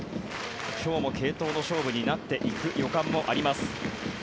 今日も継投の勝負になっていく予感もあります。